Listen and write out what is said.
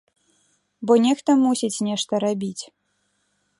Бо нехта мусіць нешта рабіць.